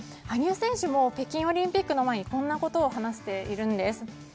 羽生選手も北京オリンピック前にこんなことを話しているんです。